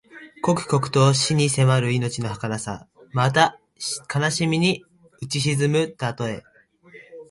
刻々と死に迫る人の命のはかなさ。また、悲しみにうち沈むたとえ。